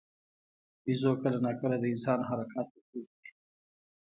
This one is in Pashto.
بیزو کله ناکله د انسان حرکات تقلیدوي.